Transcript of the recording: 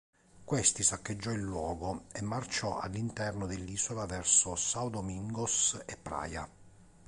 Questi saccheggiò il luogo e marciò all'interno dell'isola verso São Domingos e Praia.